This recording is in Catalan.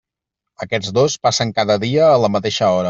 Aquests dos passen cada dia a la mateixa hora.